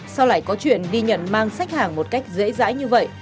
sau lại có chuyện đi nhận mang sách hàng một cách dễ dãi như vậy